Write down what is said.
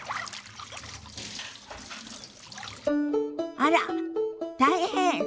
あら大変！